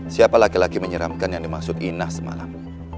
siapa laki laki menyeramkan yang dimaksud inah semalam